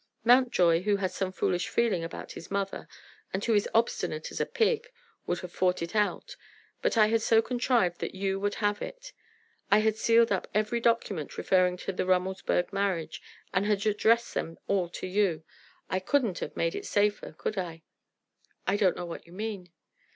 Mountjoy, who has some foolish feeling about his mother, and who is obstinate as a pig, would have fought it out; but I had so contrived that you would have had it. I had sealed up every document referring to the Rummelsburg marriage, and had addressed them all to you. I couldn't have made it safer, could I?" "I don't know what you mean."